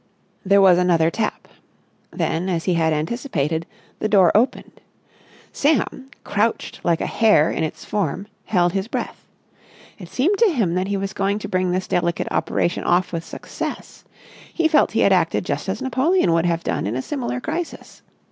There was another tap. Then, as he had anticipated, the door opened. Sam, crouched like a hare in its form, held his breath. It seemed to him that he was going to bring this delicate operation off with success. He felt he had acted just as Napoleon would have done in a similar crisis.